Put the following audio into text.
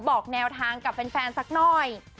บอกแนวทางกับแฟนสักหน่อย